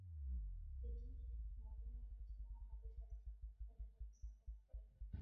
তিনি মদীনায় এসে মুহাম্মাদের সাথে সাক্ষাৎ করেন এবং ইসলাম গ্রহণ করেন।